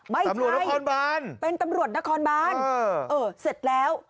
ไม่ใช่เป็นตำรวจนครบานเออเสร็จแล้ว